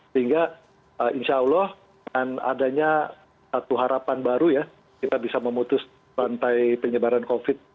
sehingga insya allah dengan adanya satu harapan baru ya kita bisa memutus rantai penyebaran covid